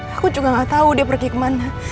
aku juga gak tahu dia pergi kemana